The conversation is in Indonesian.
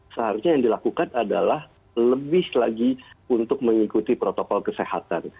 seharusnya yang dilakukan adalah lebih lagi untuk mengikuti protokol kesehatan